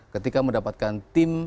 ketika mendapatkan tim